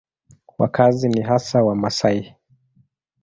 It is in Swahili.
Wakazi ni hasa Wamasai.